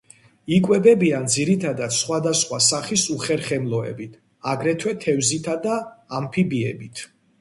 იკვებებიან ძირითადად სხვადასხვა სახის უხერხემლოებით, აგრეთვე თევზითა და ამფიბიებით.